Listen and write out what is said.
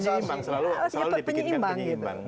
selalu dipikirkan penyeimbang